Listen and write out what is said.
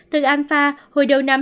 từ alpha hồi đầu năm hai nghìn hai mươi